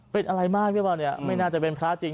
เป็นอะไรมากหรือเปล่าเนี่ยไม่น่าจะเป็นพระจริง